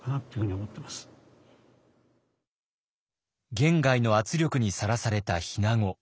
言外の圧力にさらされた日名子。